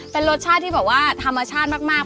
เป็นรสชาติที่แบบว่าธรรมชาติมาก